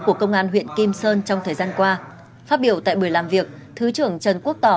của công an huyện kim sơn trong thời gian qua phát biểu tại buổi làm việc thứ trưởng trần quốc tỏ